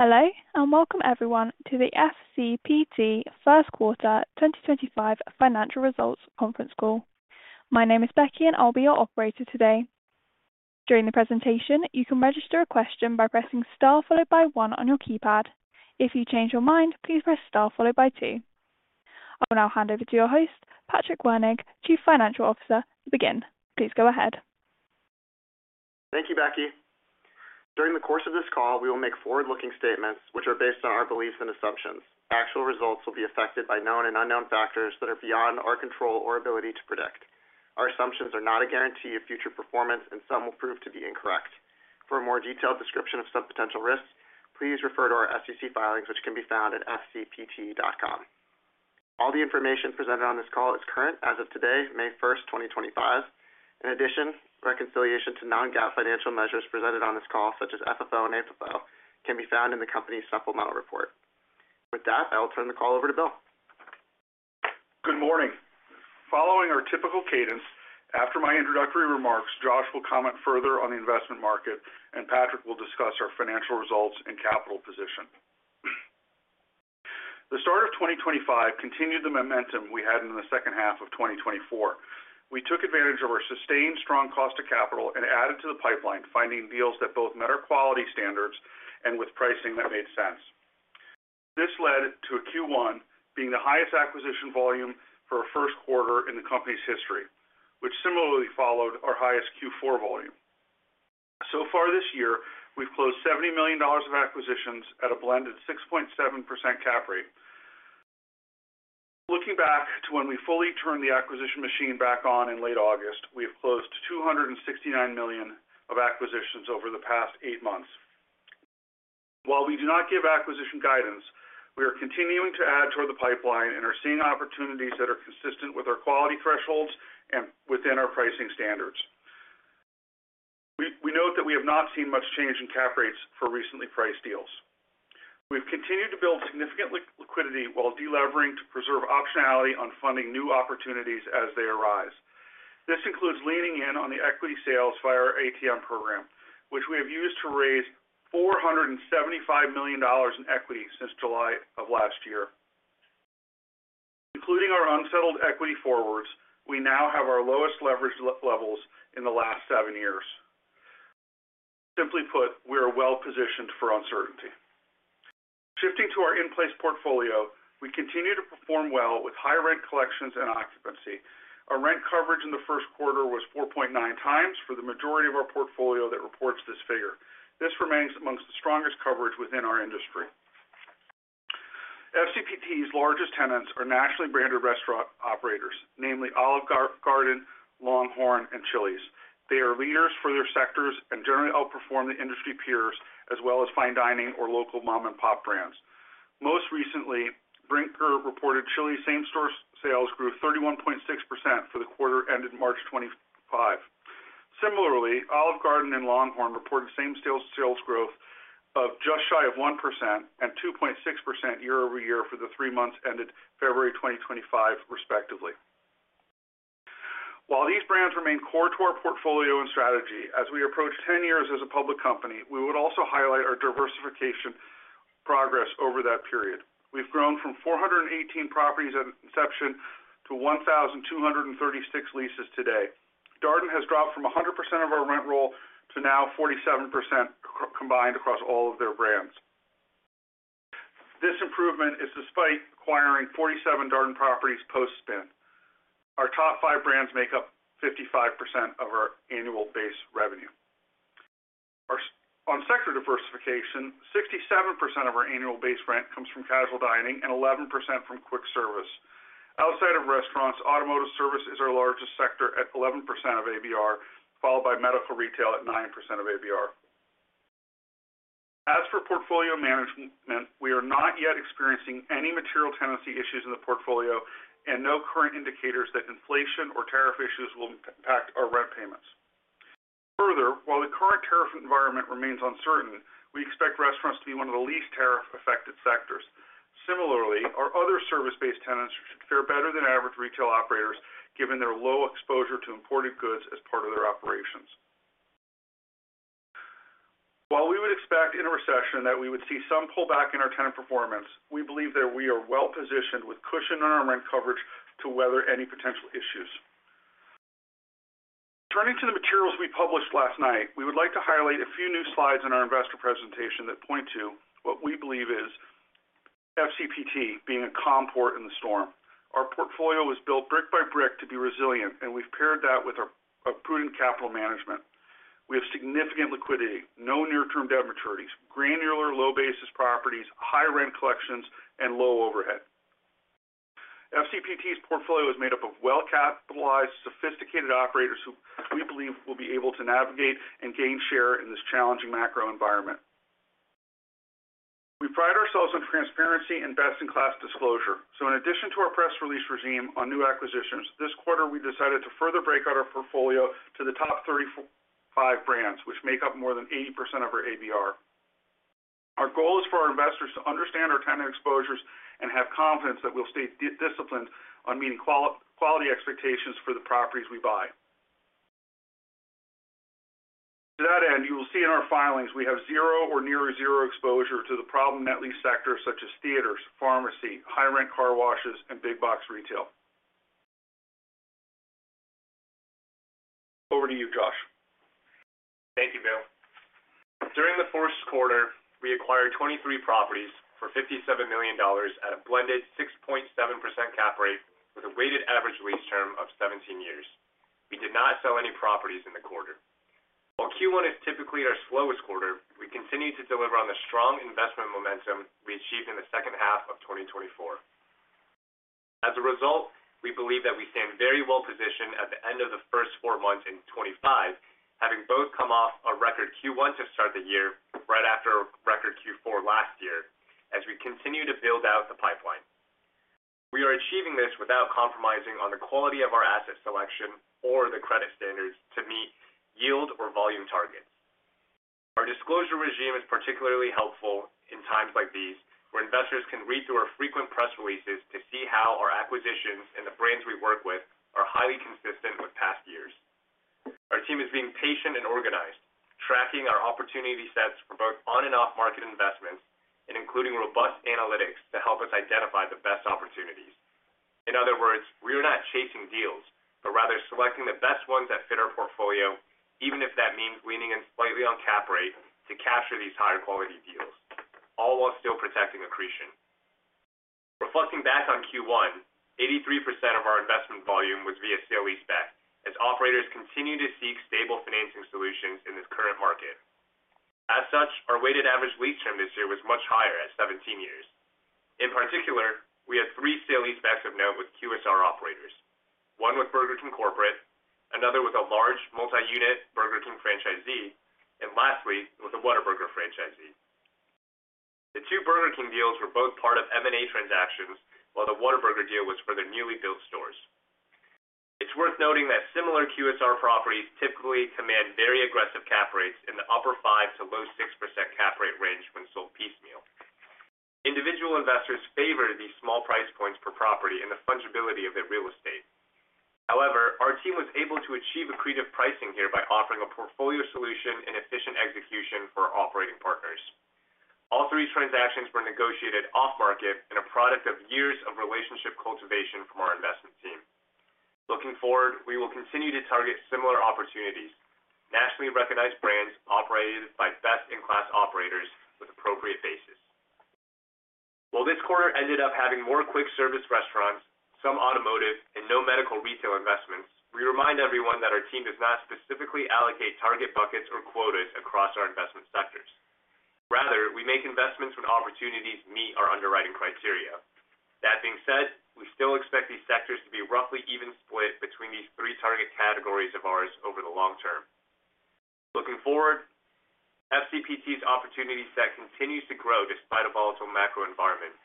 Hello, and welcome everyone to the FCPT Q1 2025 Financial Results Conference Call. My name is Becky, and I'll be your operator today. During the presentation, you can register a question by pressing star followed by one on your keypad. If you change your mind, please press star followed by two. I will now hand over to your host, Patrick Wernig, Chief Financial Officer, to begin. Please go ahead. Thank you, Becky. During the course of this call, we will make forward-looking statements which are based on our beliefs and assumptions. Actual results will be affected by known and unknown factors that are beyond our control or ability to predict. Our assumptions are not a guarantee of future performance, and some will prove to be incorrect. For a more detailed description of some potential risks, please refer to our SEC filings, which can be found at fcpt.com. All the information presented on this call is current as of today, 1 May, 2025. In addition, reconciliation to non-GAAP financial measures presented on this call, such as FFO and AFFO, can be found in the company's supplemental report. With that, I will turn the call over to Bill. Good morning. Following our typical cadence, after my introductory remarks, Josh will comment further on the investment market, and Patrick will discuss our financial results and capital position. The start of 2025 continued the momentum we had in the second half of 2024. We took advantage of our sustained strong cost of capital and added to the pipeline, finding deals that both met our quality standards and with pricing that made sense. This led to a Q1 being the highest acquisition volume for a Q1 in the company's history, which similarly followed our highest Q4 volume. So far this year, we've closed $70 million of acquisitions at a blended 6.7% cap rate. Looking back to when we fully turned the acquisition machine back on in late August, we have closed $269 million of acquisitions over the past eight months. While we do not give acquisition guidance, we are continuing to add to the pipeline and are seeing opportunities that are consistent with our quality thresholds and within our pricing standards. We note that we have not seen much change in cap rates for recently priced deals. We have continued to build significant liquidity while deleveraging to preserve optionality on funding new opportunities as they arise. This includes leaning in on the equity sales via our ATM program, which we have used to raise $475 million in equity since July of last year. Including our unsettled equity forwards, we now have our lowest leverage levels in the last seven years. Simply put, we are well positioned for uncertainty. Shifting to our in-place portfolio, we continue to perform well with high rent collections and occupancy. Our rent coverage in the Q1 was 4.9 times for the majority of our portfolio that reports this figure. This remains amongst the strongest coverage within our industry. FCPT's largest tenants are nationally branded restaurant operators, namely Olive Garden, LongHorn, and Chili's. They are leaders for their sectors and generally outperform the industry peers as well as fine dining or local mom-and-pop brands. Most recently, Brinker reported Chili's same-store sales grew 31.6% for the quarter ended March 2025. Similarly, Olive Garden and LongHorn reported same-store sales growth of just shy of 1% and 2.6% year-over-year for the three months ended February 2025, respectively. While these brands remain core to our portfolio and strategy, as we approach 10 years as a public company, we would also highlight our diversification progress over that period. We've grown from 418 properties at inception to 1,236 leases today. Darden has dropped from 100% of our rent roll to now 47% combined across all of their brands. This improvement is despite acquiring 47 Darden properties post-spin. Our top five brands make up 55% of our annual base revenue. On sector diversification, 67% of our annual base rent comes from casual dining and 11% from quick service. Outside of restaurants, automotive service is our largest sector at 11% of ABR, followed by medical retail at 9% of ABR. As for portfolio management, we are not yet experiencing any material tenancy issues in the portfolio and no current indicators that inflation or tariff issues will impact our rent payments. Further, while the current tariff environment remains uncertain, we expect restaurants to be one of the least tariff-affected sectors. Similarly, our other service-based tenants should fare better than average retail operators given their low exposure to imported goods as part of their operations. While we would expect in a recession that we would see some pullback in our tenant performance, we believe that we are well positioned with cushion on our rent coverage to weather any potential issues. Turning to the materials we published last night, we would like to highlight a few new slides in our investor presentation that point to what we believe is FCPT being a calm port in the storm. Our portfolio was built brick by brick to be resilient, and we've paired that with prudent capital management. We have significant liquidity, no near-term debt maturities, granular low-basis properties, high rent collections, and low overhead. FCPT's portfolio is made up of well-capitalized, sophisticated operators who we believe will be able to navigate and gain share in this challenging macro environment. We pride ourselves on transparency and best-in-class disclosure. In addition to our press release regime on new acquisitions, this quarter we decided to further break out our portfolio to the top 35 brands, which make up more than 80% of our ABR. Our goal is for our investors to understand our tenant exposures and have confidence that we'll stay disciplined on meeting quality expectations for the properties we buy. To that end, you will see in our filings we have zero or near zero exposure to the problem net lease sectors such as theaters, pharmacy, high-rent car washes, and big-box retail. Over to you, Josh. Thank you, Bill. During the Q1, we acquired 23 properties for $57 million at a blended 6.7% cap rate with a weighted average lease term of 17 years. We did not sell any properties in the quarter. While Q1 is typically our slowest quarter, we continue to deliver on the strong investment momentum we achieved in the second half of 2024. As a result, we believe that we stand very well positioned at the end of the first four months in 2025, having both come off a record Q1 to start the year right after a record Q4 last year as we continue to build out the pipeline. We are achieving this without compromising on the quality of our asset selection or the credit standards to meet yield or volume targets. Our disclosure regime is particularly helpful in times like these where investors can read through our frequent press releases to see how our acquisitions and the brands we work with are highly consistent with past years. Our team is being patient and organized, tracking our opportunity sets for both on- and off-market investments and including robust analytics to help us identify the best opportunities. In other words, we are not chasing deals, but rather selecting the best ones that fit our portfolio, even if that means leaning in slightly on cap rate to capture these higher quality deals, all while still protecting accretion. Reflecting back on Q1, 83% of our investment volume was via sale-leaseback as operators continue to seek stable financing solutions in this current market. As such, our weighted average lease term this year was much higher at 17 years. In particular, we had three sale-leasebacks of note with QSR operators, one with Burger King Corporate, another with a large multi-unit Burger King franchisee, and lastly with a Whataburger franchisee. The two Burger King deals were both part of M&A transactions while the Whataburger deal was for their newly built stores. It's worth noting that similar QSR properties typically command very aggressive cap rates in the upper 5% to low 6% cap rate range when sold piecemeal. Individual investors favor these small price points per property and the fungibility of their real estate. However, our team was able to achieve accretive pricing here by offering a portfolio solution and efficient execution for our operating partners. All three transactions were negotiated off-market and a product of years of relationship cultivation from our investment team. Looking forward, we will continue to target similar opportunities, nationally recognized brands operated by best-in-class operators with appropriate basis. While this quarter ended up having more quick service restaurants, some automotive, and no medical retail investments, we remind everyone that our team does not specifically allocate target buckets or quotas across our investment sectors. Rather, we make investments when opportunities meet our underwriting criteria. That being said, we still expect these sectors to be roughly even split between these three target categories of ours over the long term. Looking forward, FCPT's opportunity set continues to grow despite a volatile macro environment.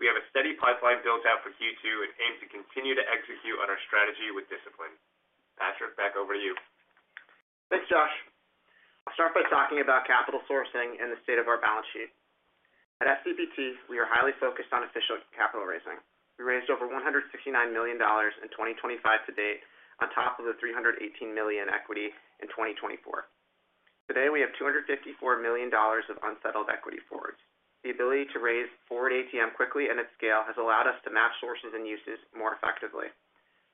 We have a steady pipeline built out for Q2 and aim to continue to execute on our strategy with discipline. Patrick, back over to you. Thanks, Josh. I'll start by talking about capital sourcing and the state of our balance sheet. At FCPT, we are highly focused on official capital raising. We raised over $169 million in 2025 to date on top of the $318 million equity in 2024. Today, we have $254 million of unsettled equity forwards. The ability to raise forward ATM quickly and at scale has allowed us to match sources and uses more effectively.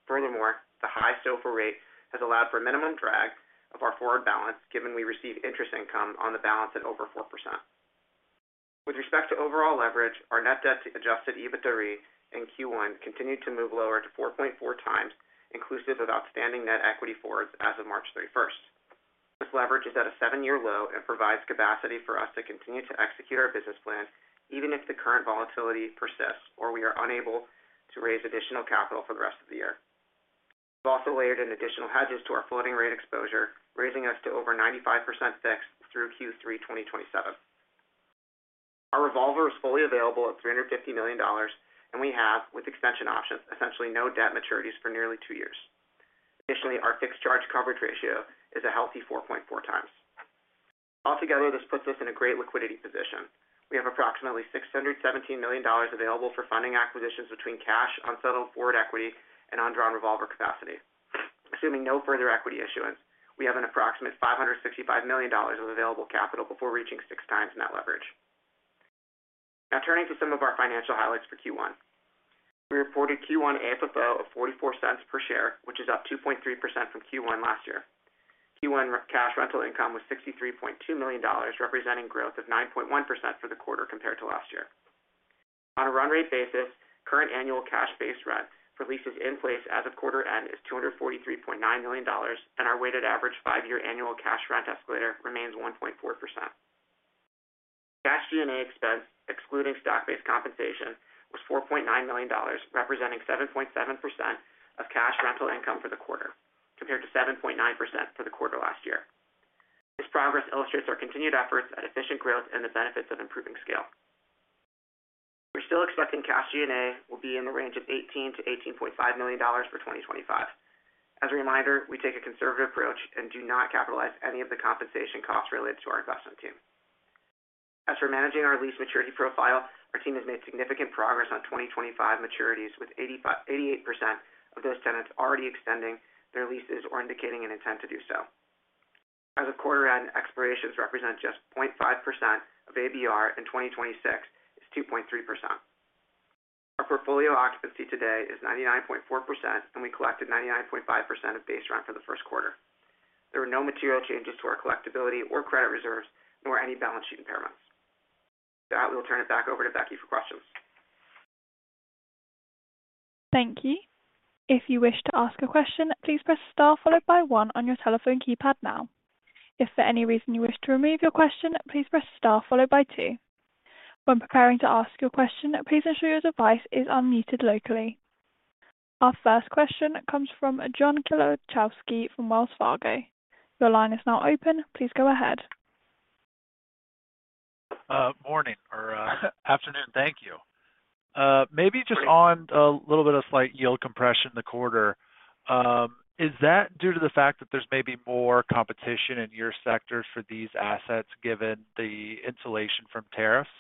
Furthermore, the high SOFR rate has allowed for minimum drag of our forward balance, given we receive interest income on the balance at over 4%. With respect to overall leverage, our net debt to adjusted EBITDA rate in Q1 continued to move lower to 4.4 times, inclusive of outstanding net equity forwards as of 31 March. This leverage is at a seven-year low and provides capacity for us to continue to execute our business plan, even if the current volatility persists or we are unable to raise additional capital for the rest of the year. We've also layered in additional hedges to our floating rate exposure, raising us to over 95% fixed through Q3 2027. Our revolver is fully available at $350 million, and we have, with extension options, essentially no debt maturities for nearly two years. Additionally, our fixed charge coverage ratio is a healthy 4.4 times. Altogether, this puts us in a great liquidity position. We have approximately $617 million available for funding acquisitions between cash, unsettled forward equity, and undrawn revolver capacity. Assuming no further equity issuance, we have an approximate $565 million of available capital before reaching six times net leverage. Now, turning to some of our financial highlights for Q1. We reported Q1 AFFO of $0.44 per share, which is up 2.3% from Q1 last year. Q1 cash rental income was $63.2 million, representing growth of 9.1% for the quarter compared to last year. On a run rate basis, current annual cash-based rent for leases in place as of quarter end is $243.9 million, and our weighted average five-year annual cash rent escalator remains 1.4%. Cash G&A expense, excluding stock-based compensation, was $4.9 million, representing 7.7% of cash rental income for the quarter, compared to 7.9% for the quarter last year. This progress illustrates our continued efforts at efficient growth and the benefits of improving scale. We're still expecting cash G&A will be in the range of $18 to $18.5 million for 2025. As a reminder, we take a conservative approach and do not capitalize any of the compensation costs related to our investment team. As for managing our lease maturity profile, our team has made significant progress on 2025 maturities, with 88% of those tenants already extending their leases or indicating an intent to do so. As of quarter end, expirations represent just 0.5% of ABR in 2026 is 2.3%. Our portfolio occupancy today is 99.4%, and we collected 99.5% of base rent for the Q1. There were no material changes to our collectibility or credit reserves, nor any balance sheet impairments. With that, we'll turn it back over to Becky for questions. Thank you. If you wish to ask a question, please press star followed by one on your telephone keypad now. If for any reason you wish to remove your question, please press star followed by two. When preparing to ask your question, please ensure your device is unmuted locally. Our first question comes from John Kilichowski from Wells Fargo. Your line is now open. Please go ahead. Morning or afternoon. Thank you. Maybe just on a little bit of slight yield compression in the quarter. Is that due to the fact that there's maybe more competition in your sectors for these assets given the insulation from tariffs?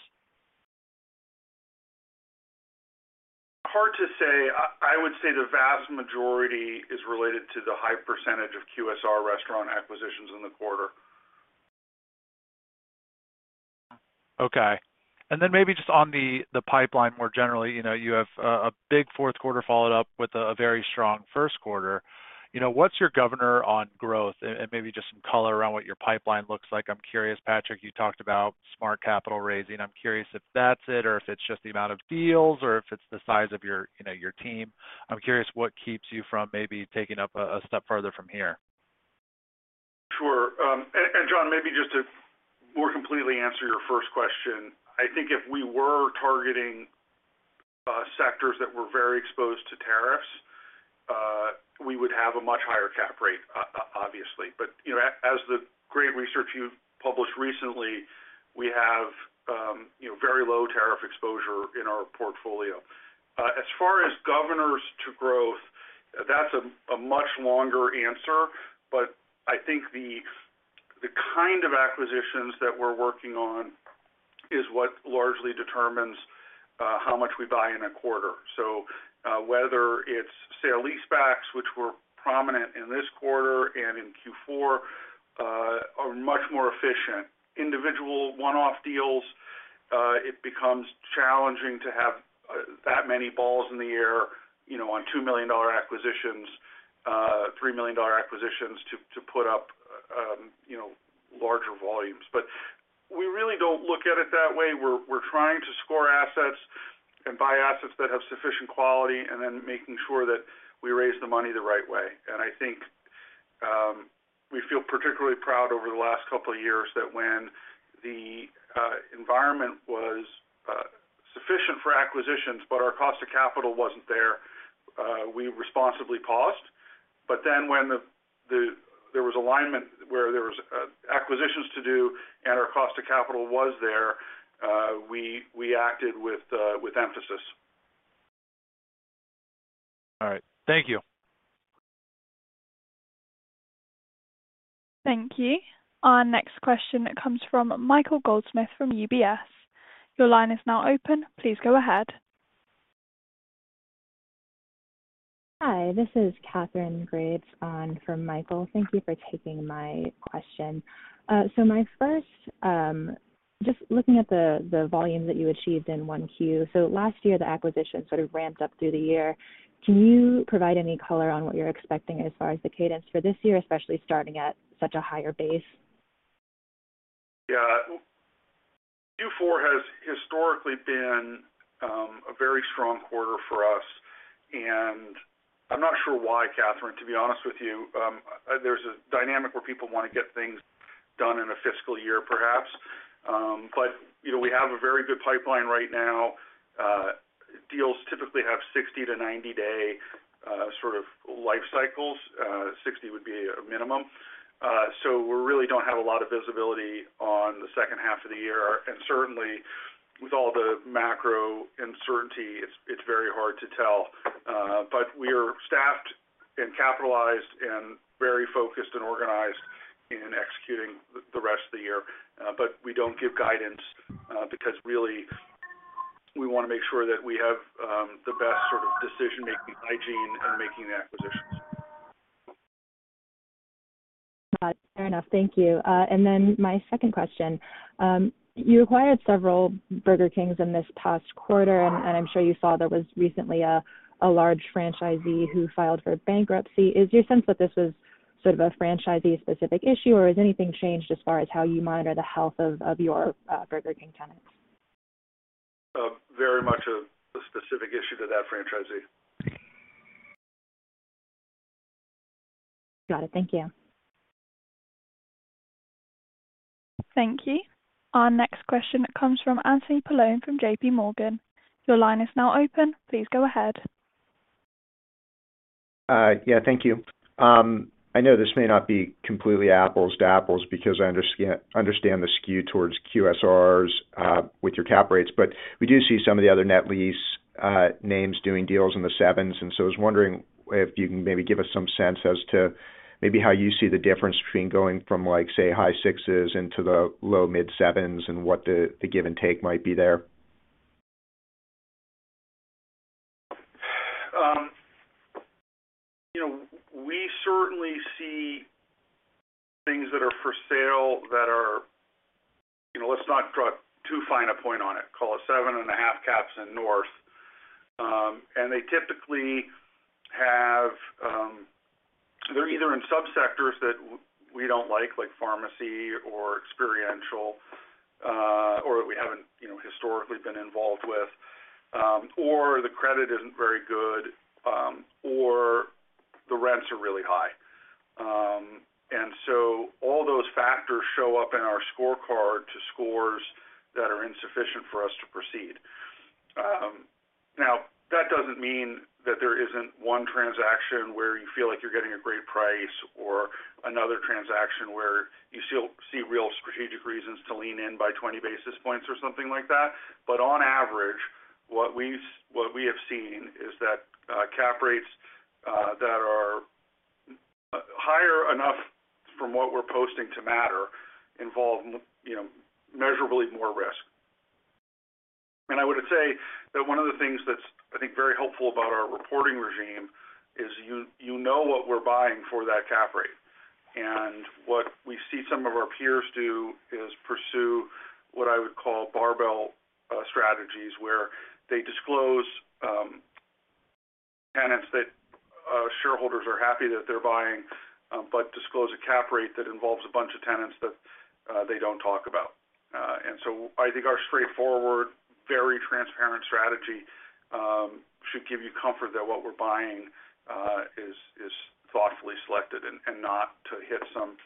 Hard to say. I would say the vast majority is related to the high percentage of QSR restaurant acquisitions in the quarter. Okay. Maybe just on the pipeline more generally, you have a big fourth quarter followed up with a very strong first quarter. What's your governor on growth and maybe just some color around what your pipeline looks like? I'm curious. Patrick, you talked about smart capital raising. I'm curious if that's it or if it's just the amount of deals or if it's the size of your team. I'm curious what keeps you from maybe taking up a step further from here. Sure. John, maybe just to more completely answer your first question, I think if we were targeting sectors that were very exposed to tariffs, we would have a much higher cap rate, obviously. As the great research you published recently, we have very low tariff exposure in our portfolio. As far as governors to growth, that's a much longer answer, but I think the kind of acquisitions that we're working on is what largely determines how much we buy in a quarter. Whether it's sale-leasebacks, which were prominent in this quarter and in Q4, are much more efficient. Individual one-off deals, it becomes challenging to have that many balls in the air on $2 million acquisitions, $3 million acquisitions to put up larger volumes. We really do not look at it that way. We're trying to score assets and buy assets that have sufficient quality and then making sure that we raise the money the right way. I think we feel particularly proud over the last couple of years that when the environment was sufficient for acquisitions, but our cost of capital wasn't there, we responsibly paused. When there was alignment where there were acquisitions to do and our cost of capital was there, we acted with emphasis. All right. Thank you. Thank you. Our next question comes from Michael Goldsmith from UBS. Your line is now open. Please go ahead. Hi. This is Catherine Beard on for Michael. Thank you for taking my question. My first, just looking at the volume that you achieved in Q1 last year, the acquisition sort of ramped up through the year. Can you provide any color on what you're expecting as far as the cadence for this year, especially starting at such a higher base? Yeah. Q4 has historically been a very strong quarter for us. I'm not sure why, Catherine, to be honest with you. There's a dynamic where people want to get things done in a fiscal year, perhaps. We have a very good pipeline right now. Deals typically have 60 to 90 day sort of life cycles. Sixty would be a minimum. We really do not have a lot of visibility on the second half of the year. Certainly, with all the macro uncertainty, it's very hard to tell. We are staffed and capitalized and very focused and organized in executing the rest of the year. We do not give guidance because really we want to make sure that we have the best sort of decision-making hygiene in making acquisitions. Fair enough. Thank you. My second question. You acquired several Burger Kings in this past quarter, and I'm sure you saw there was recently a large franchisee who filed for bankruptcy. Is your sense that this was sort of a franchisee-specific issue, or has anything changed as far as how you monitor the health of your Burger King tenants? Very much a specific issue to that franchisee. Got it. Thank you. Thank you. Our next question comes from Anthony Paolone from JPMorgan. Your line is now open. Please go ahead. Yeah. Thank you. I know this may not be completely apples to apples because I understand the skew towards QSRs with your cap rates, but we do see some of the other net lease names doing deals in the sevens. I was wondering if you can maybe give us some sense as to maybe how you see the difference between going from, say, high sixes into the low mid-sevens and what the give and take might be there. We certainly see things that are for sale that are—let's not draw too fine a point on it—call it seven and a half caps in North. They typically have—they're either in subsectors that we don't like, like pharmacy or experiential, or that we haven't historically been involved with, or the credit isn't very good, or the rents are really high. All those factors show up in our scorecard to scores that are insufficient for us to proceed. Now, that doesn't mean that there isn't one transaction where you feel like you're getting a great price or another transaction where you see real strategic reasons to lean in by 20 basis points or something like that. On average, what we have seen is that cap rates that are higher enough from what we're posting to matter involve measurably more risk. I would say that one of the things that's, I think, very helpful about our reporting regime is you know what we're buying for that cap rate. What we see some of our peers do is pursue what I would call barbell strategies where they disclose tenants that shareholders are happy that they're buying, but disclose a cap rate that involves a bunch of tenants that they don't talk about. I think our straightforward, very transparent strategy should give you comfort that what we're buying is thoughtfully selected and not to hit some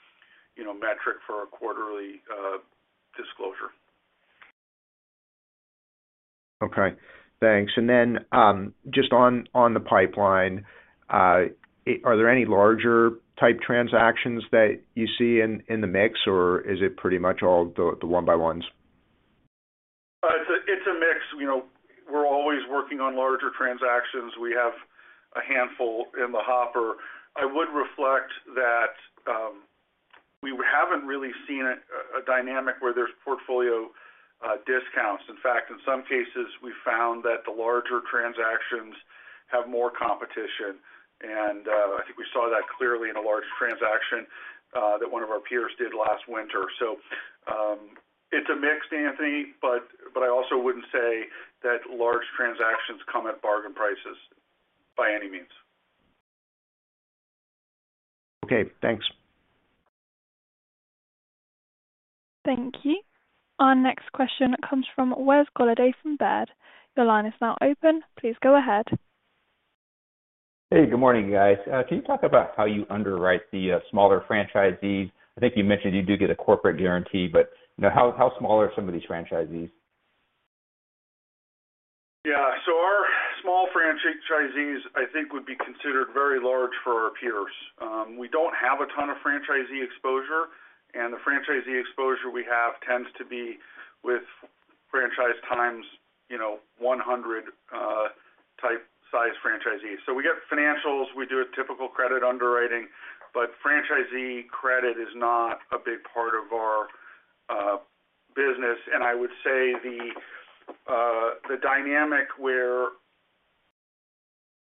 metric for a quarterly disclosure. Okay. Thanks. Just on the pipeline, are there any larger-type transactions that you see in the mix, or is it pretty much all the one-by-ones? It's a mix. We're always working on larger transactions. We have a handful in the hopper. I would reflect that we haven't really seen a dynamic where there's portfolio discounts. In fact, in some cases, we found that the larger transactions have more competition. I think we saw that clearly in a large transaction that one of our peers did last winter. It's a mix, Anthony, but I also wouldn't say that large transactions come at bargain prices by any means. Okay. Thanks. Thank you. Our next question comes from Wes Golladay from Baird. Your line is now open. Please go ahead. Hey, good morning, guys. Can you talk about how you underwrite the smaller franchisees? I think you mentioned you do get a corporate guarantee, but how small are some of these franchisees? Yeah. Our small franchisees, I think, would be considered very large for our peers. We do not have a ton of franchisee exposure, and the franchisee exposure we have tends to be with Franchise Times 100 type size franchisees. We get financials. We do a typical credit underwriting, but franchisee credit is not a big part of our business. I would say the dynamic where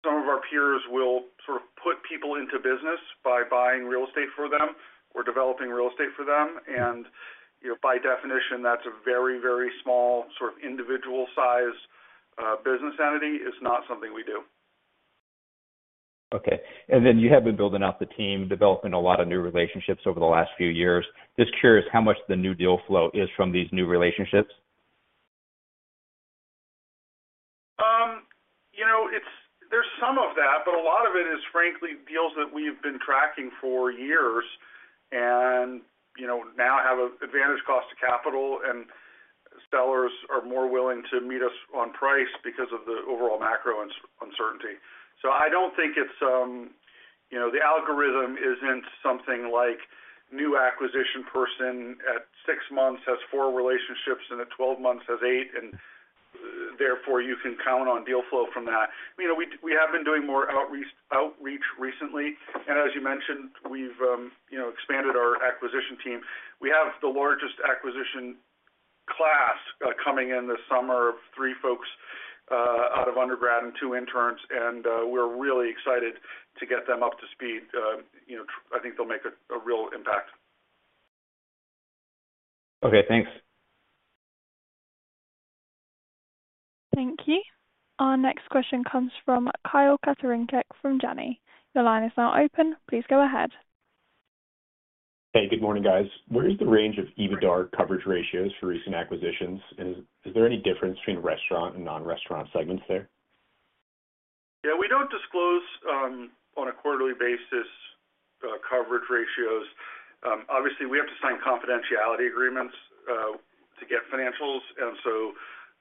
some of our peers will sort of put people into business by buying real estate for them or developing real estate for them, and by definition, that is a very, very small sort of individual-sized business entity, is not something we do. Okay. You have been building up the team, developing a lot of new relationships over the last few years. Just curious how much the new deal flow is from these new relationships. There's some of that, but a lot of it is, frankly, deals that we have been tracking for years and now have an advantage cost of capital, and sellers are more willing to meet us on price because of the overall macro uncertainty. I don't think it's the algorithm isn't something like new acquisition person at six months has four relationships and at 12 months has eight, and therefore you can count on deal flow from that. We have been doing more outreach recently. As you mentioned, we've expanded our acquisition team. We have the largest acquisition class coming in this summer of three folks out of undergrad and two interns, and we're really excited to get them up to speed. I think they'll make a real impact. Okay. Thanks. Thank you. Our next question comes from Kyle Katorincek from Janney. Your line is now open. Please go ahead. Hey, good morning, guys. Where is the range of EBITDA coverage ratios for recent acquisitions, and is there any difference between restaurant and non-restaurant segments there? Yeah. We do not disclose on a quarterly basis coverage ratios. Obviously, we have to sign confidentiality agreements to get financials, and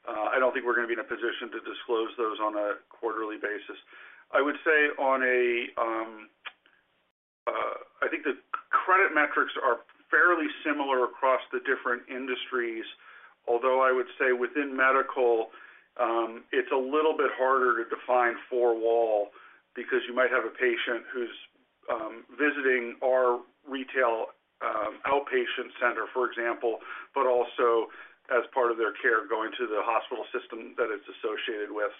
I do not think we are going to be in a position to disclose those on a quarterly basis. I would say I think the credit metrics are fairly similar across the different industries, although I would say within medical, it is a little bit harder to define four-wall because you might have a patient who is visiting our retail outpatient center, for example, but also as part of their care going to the hospital system that it is associated with.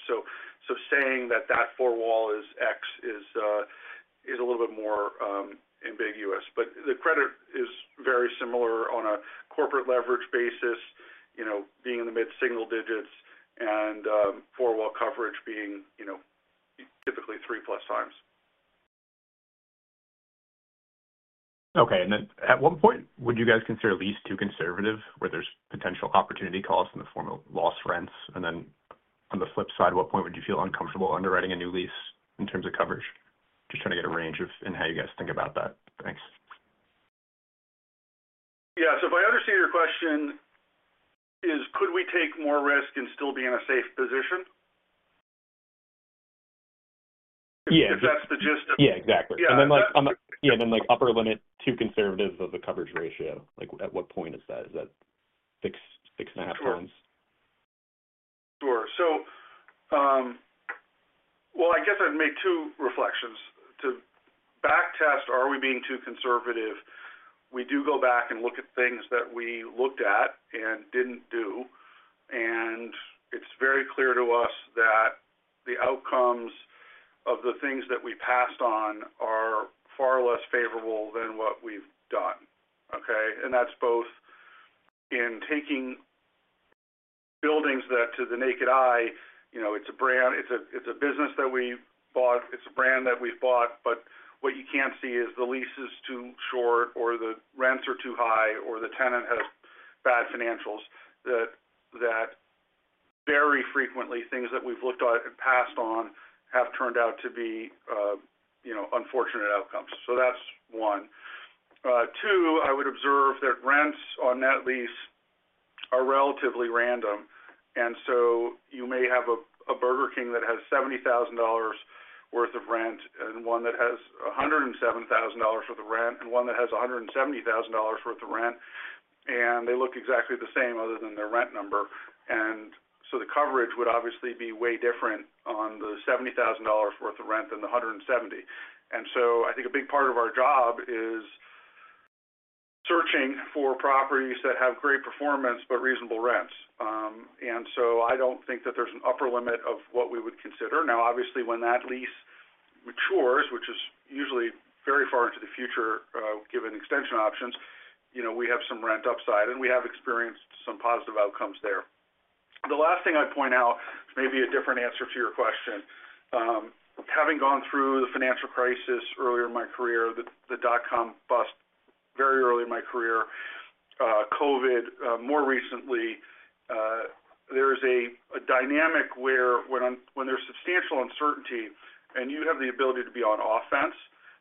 Saying that that four-wall is X is a little bit more ambiguous. The credit is very similar on a corporate leverage basis, being in the mid-single digits, and four-wall coverage being typically three plus times. Okay. At what point would you guys consider lease too conservative where there's potential opportunity costs in the form of lost rents? On the flip side, what point would you feel uncomfortable underwriting a new lease in terms of coverage? Just trying to get a range of how you guys think about that. Thanks. Yeah. If I understand your question, could we take more risk and still be in a safe position? Yeah. If that's the gist of... Yeah. Exactly. Yeah, then upper limit too conservative of the coverage ratio. At what point is that? Is that six and a half times? Sure. Sure. I guess I'd make two reflections to backtest, are we being too conservative? We do go back and look at things that we looked at and didn't do. It's very clear to us that the outcomes of the things that we passed on are far less favorable than what we've done. Okay? That's both in taking buildings that to the naked eye, it's a brand, it's a business that we bought, it's a brand that we've bought, but what you can't see is the lease is too short or the rents are too high or the tenant has bad financials. Very frequently things that we've looked at and passed on have turned out to be unfortunate outcomes. That's one. Two, I would observe that rents on net lease are relatively random. You may have a Burger King that has $70,000 worth of rent and one that has $107,000 worth of rent and one that has $170,000 worth of rent, and they look exactly the same other than their rent number. The coverage would obviously be way different on the $70,000 worth of rent than the $170,000. I think a big part of our job is searching for properties that have great performance but reasonable rents. I do not think that there is an upper limit of what we would consider. Obviously, when that lease matures, which is usually very far into the future given extension options, we have some rent upside and we have experienced some positive outcomes there. The last thing I would point out is maybe a different answer to your question. Having gone through the financial crisis earlier in my career, the dot-com bust very early in my career, COVID, more recently, there is a dynamic where when there's substantial uncertainty and you have the ability to be on offense,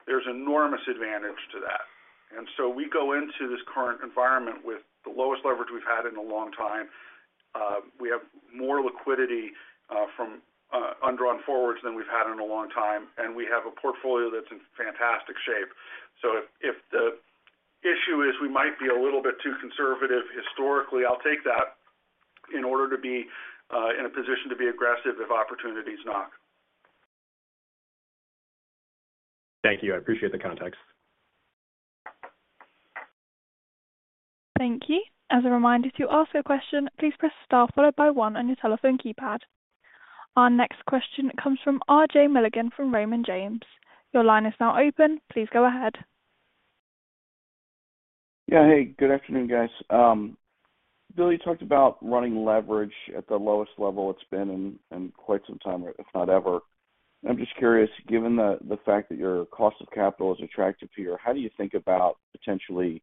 there's enormous advantage to that. We go into this current environment with the lowest leverage we've had in a long time. We have more liquidity from undrawn forwards than we've had in a long time, and we have a portfolio that's in fantastic shape. If the issue is we might be a little bit too conservative historically, I'll take that in order to be in a position to be aggressive if opportunities knock. Thank you. I appreciate the context. Thank you. As a reminder, to ask a question, please press star followed by one on your telephone keypad. Our next question comes from RJ Milligan from Raymond James. Your line is now open. Please go ahead. Yeah. Hey, good afternoon, guys. Bill, you talked about running leverage at the lowest level it's been in quite some time, if not ever. I'm just curious, given the fact that your cost of capital is attractive here, how do you think about potentially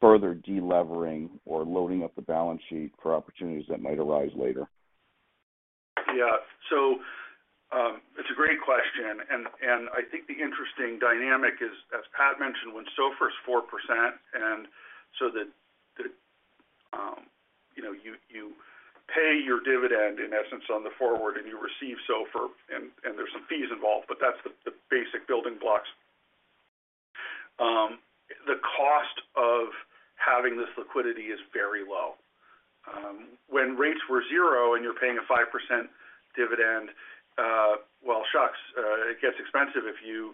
further delevering or loading up the balance sheet for opportunities that might arise later? Yeah. It's a great question. I think the interesting dynamic is, as Pat mentioned, when SOFR is 4% and so that you pay your dividend, in essence, on the forward and you receive SOFR, and there's some fees involved, but that's the basic building blocks. The cost of having this liquidity is very low. When rates were zero and you're paying a 5% dividend, shucks, it gets expensive if you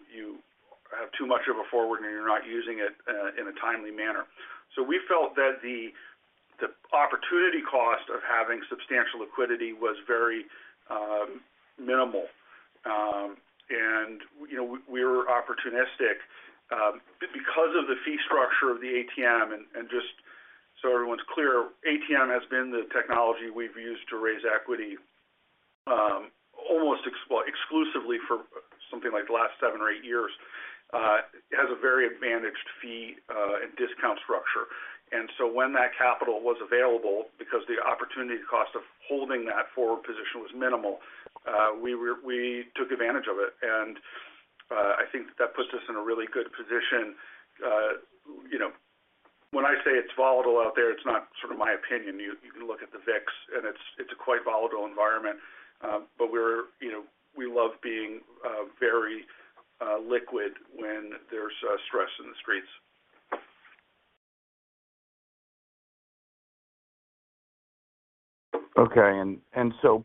have too much of a forward and you're not using it in a timely manner. We felt that the opportunity cost of having substantial liquidity was very minimal. We were opportunistic because of the fee structure of the ATM. Just so everyone's clear, ATM has been the technology we've used to raise equity almost exclusively for something like the last seven or eight years. It has a very advantaged fee and discount structure. When that capital was available, because the opportunity cost of holding that forward position was minimal, we took advantage of it. I think that puts us in a really good position. When I say it's volatile out there, it's not sort of my opinion. You can look at the VIX, and it's a quite volatile environment, but we love being very liquid when there's stress in the streets. Okay.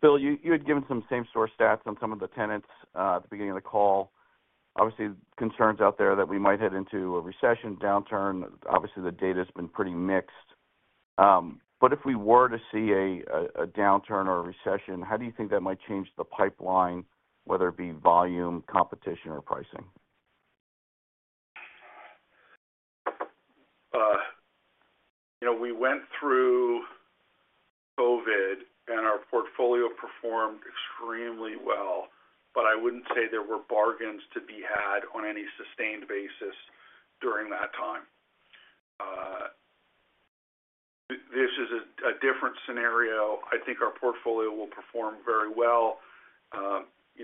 Bill, you had given some same-store stats on some of the tenants at the beginning of the call. Obviously, concerns out there that we might head into a recession, downturn. Obviously, the data has been pretty mixed. If we were to see a downturn or a recession, how do you think that might change the pipeline, whether it be volume, competition, or pricing? We went through COVID, and our portfolio performed extremely well, but I wouldn't say there were bargains to be had on any sustained basis during that time. This is a different scenario. I think our portfolio will perform very well.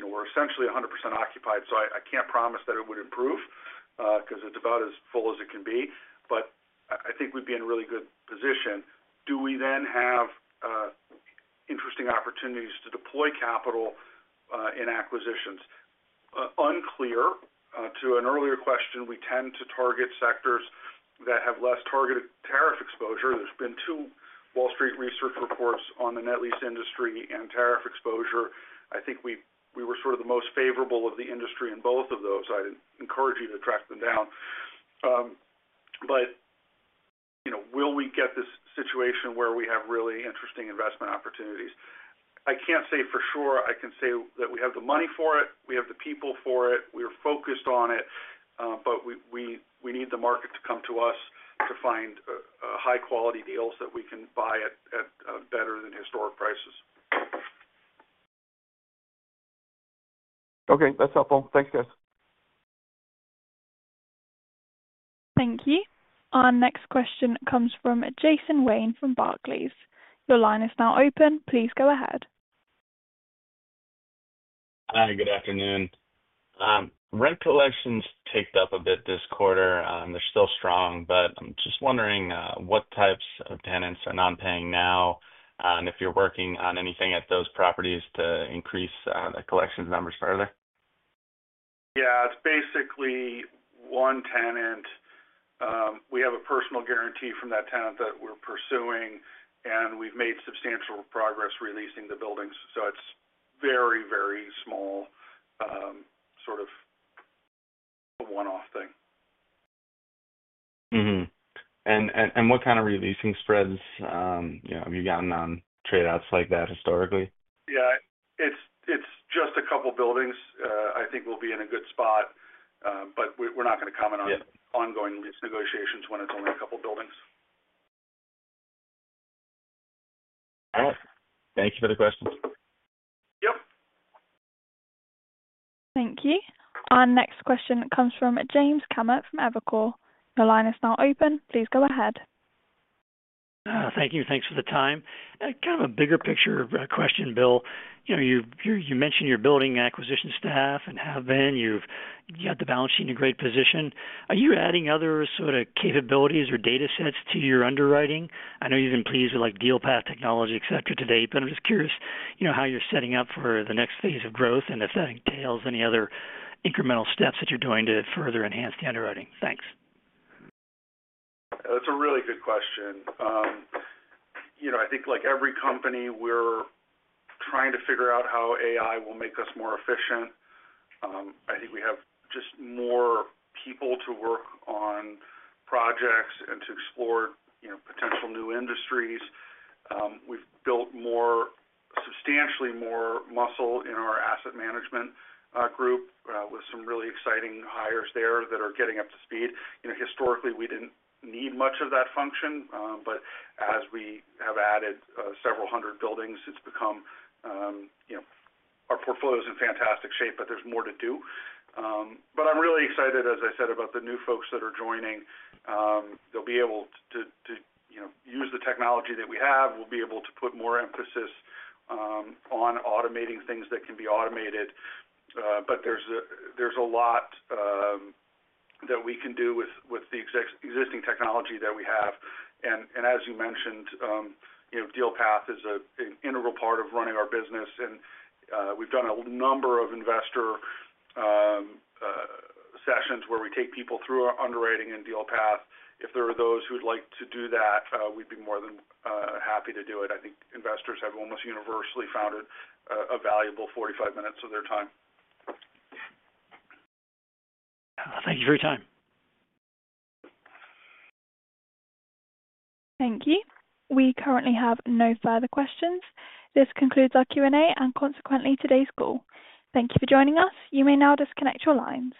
We're essentially 100% occupied, so I can't promise that it would improve because it's about as full as it can be, but I think we'd be in a really good position. Do we then have interesting opportunities to deploy capital in acquisitions? Unclear. To an earlier question, we tend to target sectors that have less targeted tariff exposure. There's been two Wall Street research reports on the net lease industry and tariff exposure. I think we were sort of the most favorable of the industry in both of those. I'd encourage you to track them down. Will we get this situation where we have really interesting investment opportunities? I can't say for sure. I can say that we have the money for it. We have the people for it. We are focused on it, but we need the market to come to us to find high-quality deals that we can buy at better than historic prices. Okay. That's helpful. Thanks, guys. Thank you. Our next question comes from Jason Wayne from Barclays. Your line is now open. Please go ahead. Hi. Good afternoon. Rent collections ticked up a bit this quarter. They're still strong, but I'm just wondering what types of tenants are non-paying now and if you're working on anything at those properties to increase the collections numbers further? Yeah. It's basically one tenant. We have a personal guarantee from that tenant that we're pursuing, and we've made substantial progress releasing the buildings. It is very, very small, sort of a one-off thing. What kind of releasing spreads have you gotten on trade-offs like that historically? Yeah. It's just a couple of buildings. I think we'll be in a good spot, but we're not going to comment on ongoing lease negotiations when it's only a couple of buildings. All right. Thank you for the questions. Yep. Thank you. Our next question comes from Jim Kammert from Evercore. Your line is now open. Please go ahead. Thank you. Thanks for the time. Kind of a bigger picture question, Bill. You mentioned you're building acquisition staff and have been. You've got the balance sheet in a great position. Are you adding other sort of capabilities or data sets to your underwriting? I know you've been pleased with Dealpath Technology, etc., to date, but I'm just curious how you're setting up for the next phase of growth and if that entails any other incremental steps that you're doing to further enhance the underwriting. Thanks. That's a really good question. I think like every company, we're trying to figure out how AI will make us more efficient. I think we have just more people to work on projects and to explore potential new industries. We've built substantially more muscle in our asset management group with some really exciting hires there that are getting up to speed. Historically, we didn't need much of that function, but as we have added several hundred buildings, it's become...our portfolio is in fantastic shape, but there's more to do. I'm really excited, as I said, about the new folks that are joining. They'll be able to use the technology that we have. We'll be able to put more emphasis on automating things that can be automated, but there's a lot that we can do with the existing technology that we have. As you mentioned, Dealpath is an integral part of running our business, and we've done a number of investor sessions where we take people through our underwriting and Dealpath. If there are those who'd like to do that, we'd be more than happy to do it. I think investors have almost universally found it a valuable 45 minutes of their time. Thank you for your time. Thank you. We currently have no further questions. This concludes our Q&A and consequently today's call. Thank you for joining us. You may now disconnect your lines.